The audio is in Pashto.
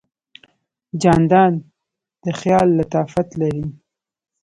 جانداد د خیال لطافت لري.